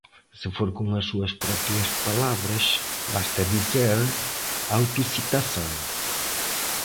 Se for com suas próprias palavras, basta dizer “Autocitação”.